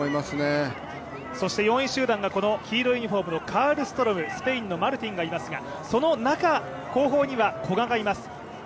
４位集団が黄色いユニフォームのカルストローム、そしてスペインのマルティンがいますがその中、後方には古賀がいます。